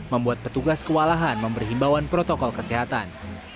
membuat petugas kewalahan memberi himbawan protokol kesehatan